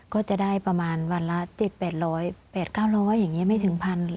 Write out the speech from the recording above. ก็จะได้ประมาณวันละ๗๘๐๐๘๙๐๐อย่างนี้ไม่ถึง๑๐๐